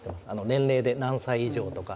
年齢で何歳以上とか。